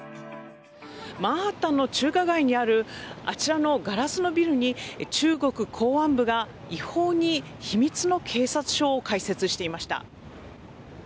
マンハッタンの中華街にあるあちらのガラスのビルに中国公安部が、違法に秘密の警察署を開設していました。